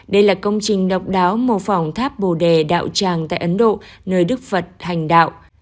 đây là công trình độc đáo mô phỏng tháp bồ đề đạo tràng tại ấn độ nơi đức phật hành đạo